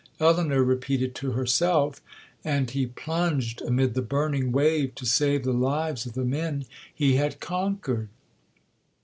Elinor repeated to herself, 'And he plunged amid the burning wave to save the lives of the men he had conquered!'